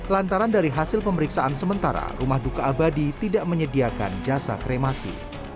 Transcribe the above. lantaran dari hasil pemeriksaan sementara rumah duka abadi tidak menyediakan jasa kremasi